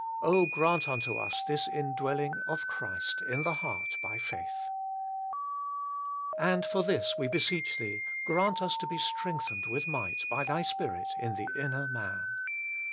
Oh, grant unto us this indwelling of Christ in the heart by faith ! And for this, we beseech Thee, grant us to be strengthened with might by Thy Spirit in the inner man.